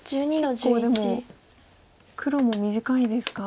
結構でも黒も短いですか。